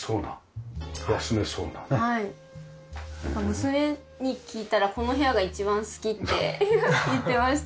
娘に聞いたらこの部屋が一番好きって言ってました。